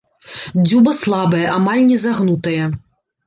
Дзюба слабая, амаль не загнутая.